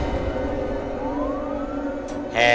pak rete apa yang terjadi